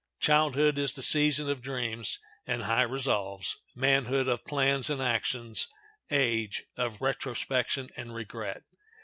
Childhood is the season of dreams and high resolves; manhood, of plans and actions; age, of retrospection and regret.